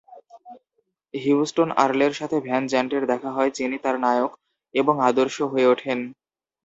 Houston আর্লের সাথে van জ্যান্টের দেখা হয়, যিনি তার নায়ক এবং আদর্শ হয়ে ওঠেন।